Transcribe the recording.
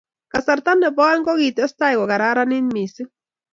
kasarta nebo aeng, kokitestai kokararanit mising